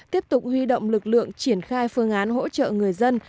tiếp tục huy động lực lượng triển khai phương án hỗ trợ người dân